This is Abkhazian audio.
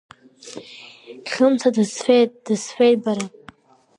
Хьымца дысфеит, дысфеит, бара!